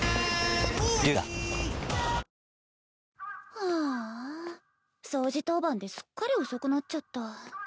はぁ掃除当番ですっかり遅くなっちゃった。